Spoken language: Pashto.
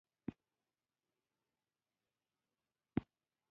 • شیدې د غړو د فعالیت په پراختیا کې مرسته کوي.